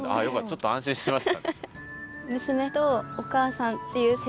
ちょっと安心しました。